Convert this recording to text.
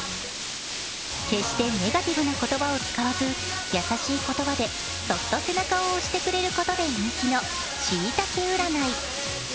決してネガティブな言葉を使わず優しい言葉でそっと背中を押してくれることで人気のしいたけ占い。